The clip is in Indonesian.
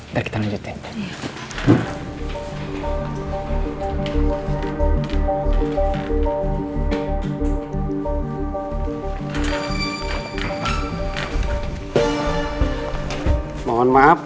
ntar kita lanjutin